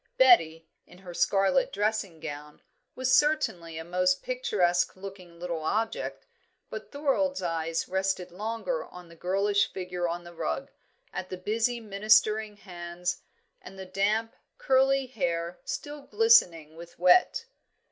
Betty, in her scarlet dressing gown, was certainly a most picturesque looking little object, but Thorold's eyes rested longer on the girlish figure on the rug, at the busy ministering hands, and the damp, curly hair, still glistening with wet.